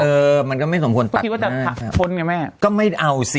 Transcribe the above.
เออมันก็ไม่สมควรตัดไหมก็คิดว่าจะผลไหมแม่ก็ไม่เอาสิ